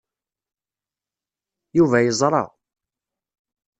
Yuba yeẓra.